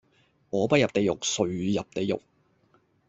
我不入地獄,誰入地獄